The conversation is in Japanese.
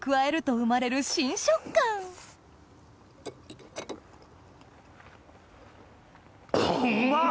うんまっ！